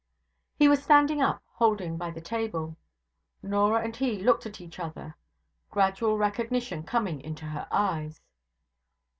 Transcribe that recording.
He was standing up, holding by the table. Norah and he looked at each other; gradual recognition coming into their eyes.